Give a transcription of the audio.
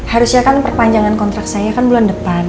harusnya kan perpanjangan kontrak saya kan bulan depan